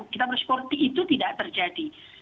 kita bersporty itu tidak terjadi